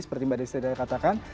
seperti mbak desri sudah katakan